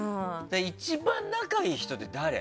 一番仲がいい人って誰？